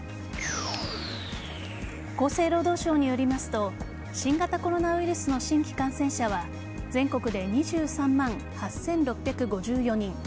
厚生労働省によりますと新型コロナウイルスの新規感染者は全国で２３万８６５４人